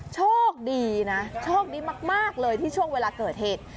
โชคดีนะโชคดีมากเลยที่ช่วงเวลาเกิดเหตุ